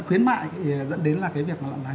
đến mạng thì dẫn đến là cái việc loạn giá như trên